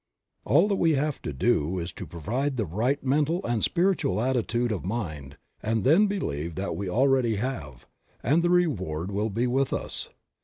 All that we have to do is to provide the right mental and spiritual attitude of mind and then believe that we already have, and the reward will be with us.